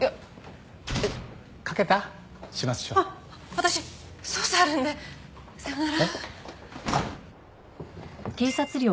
私捜査あるのでさようなら。